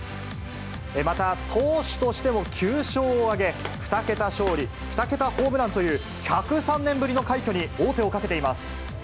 また投手としても９勝を挙げ、２桁勝利、２桁ホームランという、１０３年ぶりの快挙に王手をかけています。